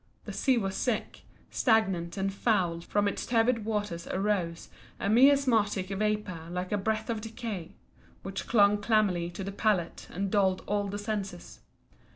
The sea was sick, stagnant, and foul, from its turbid waters arose a miasmatic vapour like a breath of decay, which clung clammily to the palate and dulled all the senses.